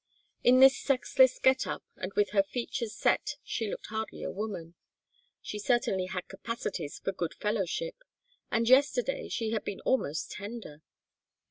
In this sexless get up and with her features set she looked hardly a woman. She certainly had capacities for good fellowship, and yesterday she had been almost tender.